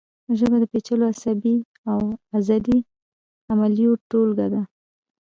ژبه د پیچلو عصبي او عضلي عملیو ټولګه ده